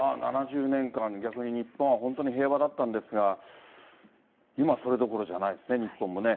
７０年間、逆に日本は本当に平和だったんですが、今、それどころじゃないですね、日本もね。